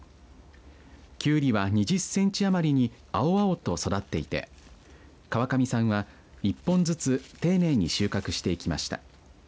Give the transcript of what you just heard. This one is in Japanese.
キュウリは２０センチ余りに青々と育っていて川上さんは一本ずつ丁寧に収穫していきました。